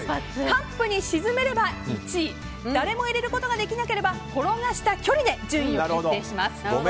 カップに沈めれば１位誰も入れることができなければ転がした距離で順位を決定します。